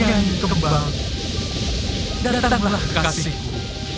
jaih kembang datanglah kekasihku